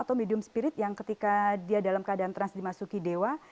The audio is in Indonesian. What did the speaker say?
atau medium spirit yang ketika dia dalam keadaan trans dimasuki dewa